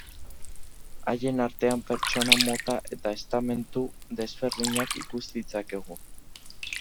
Haien artean pertsona mota eta estamentu desberdinak ikus ditzakegu.